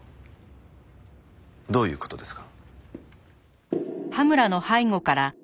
どういう事ですか？